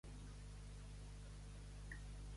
El món farà un tro.